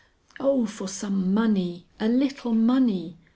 Oh, for some money! a little money!